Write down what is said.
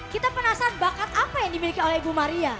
kita penasaran bakat apa yang dimiliki oleh ibu maria